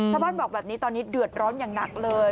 บอกแบบนี้ตอนนี้เดือดร้อนอย่างหนักเลย